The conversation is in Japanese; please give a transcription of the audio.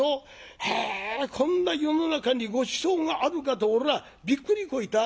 へえこんな世の中にごちそうがあるかとおらびっくりこいた。